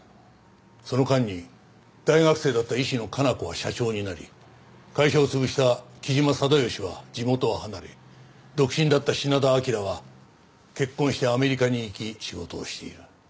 その間に大学生だった石野香奈子は社長になり会社を潰した木島定良は地元を離れ独身だった品田彰は結婚してアメリカに行き仕事をしている。